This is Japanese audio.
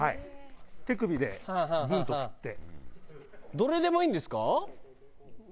どれでもいいんですか？